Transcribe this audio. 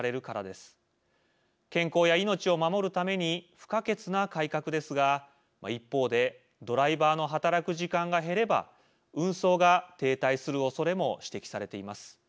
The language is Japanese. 健康や命を守るために不可欠な改革ですが一方でドライバーの働く時間が減れば運送が停滞するおそれも指摘されています。